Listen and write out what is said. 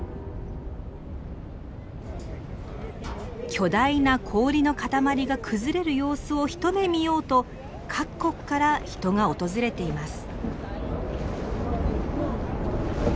巨大な氷の塊が崩れる様子を一目見ようと各国から人が訪れています。